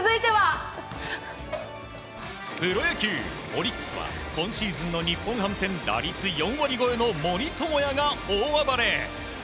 プロ野球、オリックスは今シーズンの日本ハム戦打率４割超えの森友哉が大暴れ。